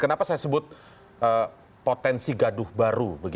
kenapa saya sebut potensi gaduh baru